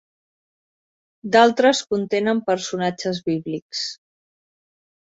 D'altres contenen personatges bíblics.